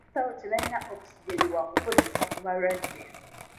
Abasawo tebalina Oxygen wa kukozesa ku balwadde.